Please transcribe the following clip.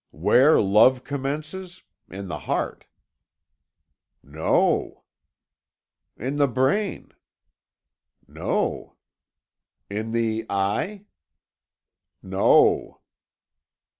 Where love commences? In the heart." "No." "In the brain." "No." "In the eye." "No."